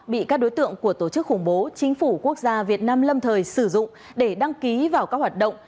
bị các đối tượng của tổ chức khủng bố chính phủ quốc gia việt nam lâm thời sử dụng để đăng ký vào các hoạt động